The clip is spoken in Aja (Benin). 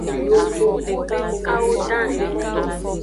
Yovogbu dekwo dahen.